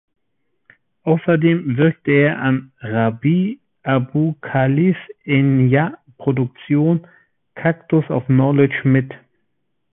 Außerdem wirkte er an Rabih Abou-Khalils Enja-Produktion "Cactus of Knowledge" mit.